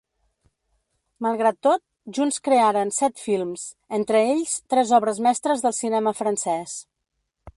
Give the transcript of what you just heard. Malgrat tot, junts crearen set films, entre ells, tres obres mestres del cinema francès.